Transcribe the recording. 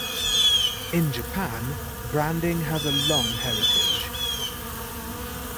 In Japan, branding has a long heritage.